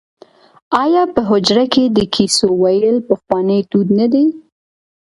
آیا په حجره کې د کیسو ویل پخوانی دود نه دی؟